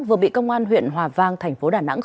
vừa bị công an huyện hòa vang thành phố đà nẵng